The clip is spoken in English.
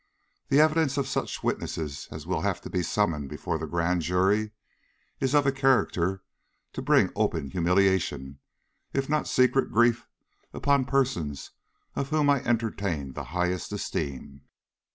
The evidence of such witnesses as will have to be summoned before the Grand Jury, is of a character to bring open humiliation, if not secret grief, upon persons for whom I entertain the highest esteem."